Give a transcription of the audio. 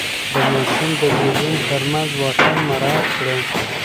د ماشوم د زیږون ترمنځ واټن مراعات کړئ.